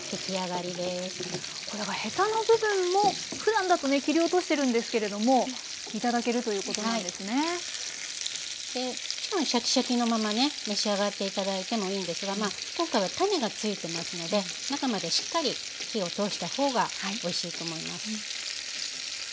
もちろんシャキシャキのままね召し上がって頂いてもいいんですが今回は種が付いてますので中までしっかり火を通した方がおいしいと思います。